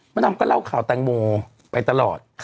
ดำก็เล่าข่าวแตงโมไปตลอด